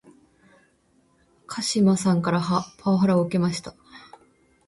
鹿島さんからパワハラを受けました